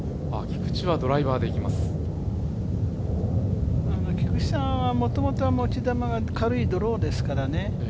菊地さんはもともと持ち球が軽いドローですからね。